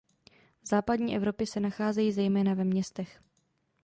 V Západní Evropě se nacházejí zejména ve městech.